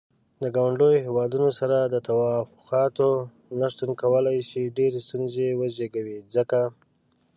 د ګاونډيو هيوادونو سره د تووافقاتو نه شتون کولاي شي ډيرې ستونزې وزيږوي ځکه.